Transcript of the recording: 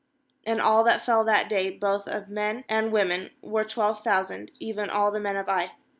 ^And all that fell that day, both of men and women, were twelve thousand, even all the men of Ai.